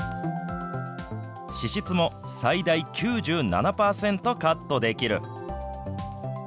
脂質も最大９７％カットできる。